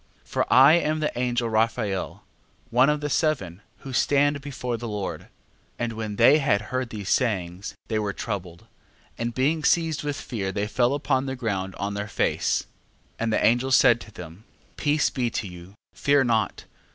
12:15. For I am the angel Raphael, one of the seven, who stand before the Lord. 12:16. And when they had heard these things, they were troubled, and being seized with fear they fell upon the ground on their face. 12:17. And the angel said to them: Peace be to you, fear not.